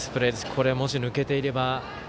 これ、もし抜けていれば。